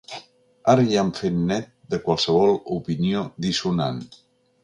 Ara ja han fet net de qualsevol opinió dissonant.